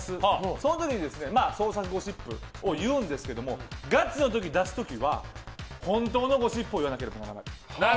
その時に、創作ゴシップを言うんですけどガチを出す時は本当のゴシップを言わなければならない。